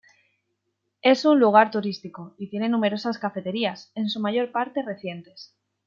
Es un lugar turístico, y tiene numerosas cafeterías, en su mayor parte recientes.